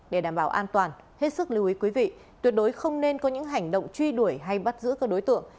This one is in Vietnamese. để đảm bảo an toàn hết sức lưu ý quý vị tuyệt đối không nên có những hành động truy đuổi hay bắt giữ các đối tượng